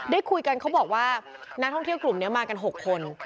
ได้คุยกันเขาบอกว่านักท่องเที่ยวกลุ่มนี้มากัน๖คน